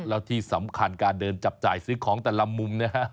แล้วที่สำคัญการเดินจับจ่ายซื้อของแต่ละมุมนะฮะ